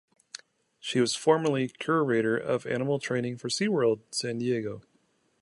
She was formerly curator of animal training for SeaWorld San Diego.